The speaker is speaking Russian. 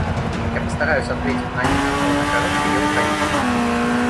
Я постараюсь ответить на них как можно короче и лаконичнее.